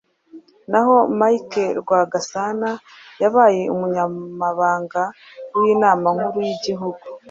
Naho Michel Rwagasana yabaye umunyamabanga w’Inama nkuru y’igihugu